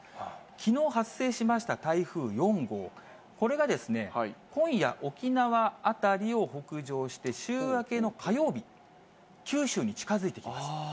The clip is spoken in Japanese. きのう発生しました台風４号、これが今夜、沖縄辺りを北上して、週明けの火曜日、九州に近づいてきます。